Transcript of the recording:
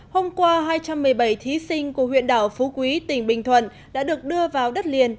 hôm qua hai trăm một mươi bảy thí sinh của huyện đảo phú quý tỉnh bình thuận đã được đưa vào đất liền